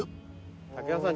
竹山さん